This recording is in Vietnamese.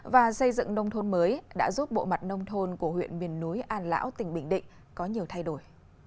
và xây dựng nông thôn mới đã giúp bộ mặt nông thôn của huyện miền núi an lão tỉnh bình định có nhiều thay đổi